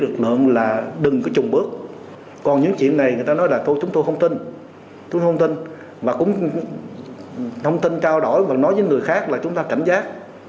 thông tin trao đổi và nói với người khác là chúng ta cảnh giác